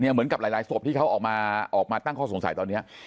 เหมือนกับหลายศพที่เขาออกมาตั้งข้อสงสัยตอนนี้